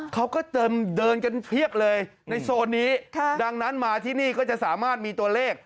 เขาก็เดินกันเพียบเลยในโซนนี้ดังนั้นมาที่นี่ก็จะสามารถมีตัวเลข